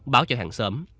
báo cho hàng xóm